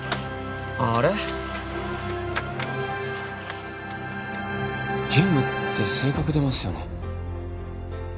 あああれゲームって性格出ますよね